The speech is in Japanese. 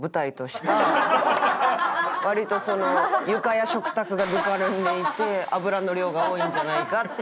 割とその床や食卓がぬかるんでいて油の量が多いんじゃないかっていう。